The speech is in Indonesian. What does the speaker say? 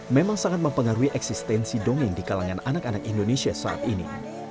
memang sangat mempengaruhi eksistensi dongeng di kalangan anak anak indonesia saat ini